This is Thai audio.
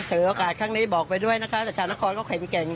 ถือกาญข้างนี้บอกด้วยนะคะแต่ชาวนครด้วยก็เข็งส์แกร่ง